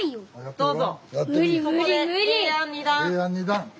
どうぞ！